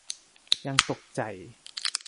ยังตกใจ